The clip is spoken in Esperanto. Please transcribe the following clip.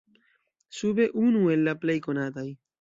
Sube unu el la plej konataj.